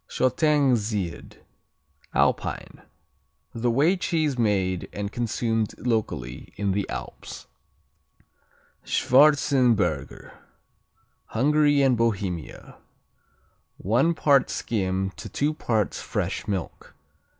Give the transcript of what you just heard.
Shottengsied Alpine A whey cheese made and consumed locally in the Alps. Schwarzenberger Hungary and Bohemia One part skim to two parts fresh milk.